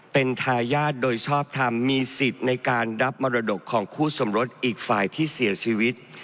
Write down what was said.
เป็นทายาทโดยชอบทำมีสิทธิ์ในการรับมรดกของคู่สมรสอีกฝ่ายที่เสียชีวิต